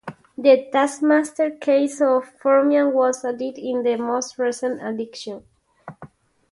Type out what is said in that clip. The Taskmaster caste of Formian was added in the most recent addition.